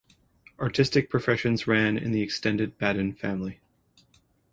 Artistic professions ran in the extended Badin family.